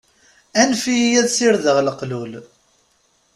Anef-iyi ad sirdeɣ leqlul.